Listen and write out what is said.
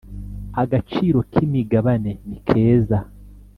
agaciro k imigabanenikeza